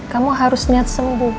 kamu harus niat sembuh